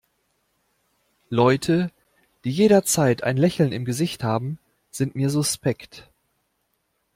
Leute, die jederzeit ein Lächeln im Gesicht haben, sind mir suspekt.